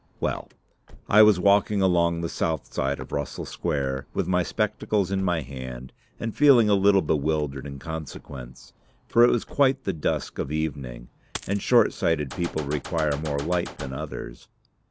Well, I was walking along the south side of Russell Square, with my spectacles in my hand, and feeling a little bewildered in consequence for it was quite the dusk of the evening, and short sighted people require more light than others.